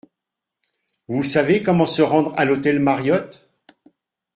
Vous savez comment se rendre à l’hôtel Mariott ?